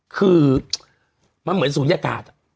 คือมันเหมือนศูนยากาศ